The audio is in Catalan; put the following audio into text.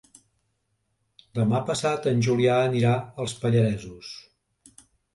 Demà passat en Julià anirà als Pallaresos.